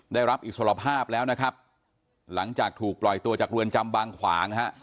ได้รับอิสรภาพแล้วนะครับหลังจากถูกปล่อยตัวจากเรือนจำบางขวางฮะ